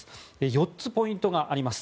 ４つポイントがあります。